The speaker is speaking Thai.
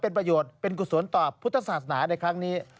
เป็นประโยชน์เป็นกุศลต่อพุทธศาสนาในครั้งนี้